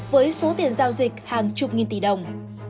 với số tiền giao dịch hàng chục nghìn tỷ đồng